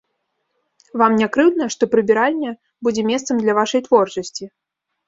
Вам не крыўдна, што прыбіральня будзе месцам для вашай творчасці?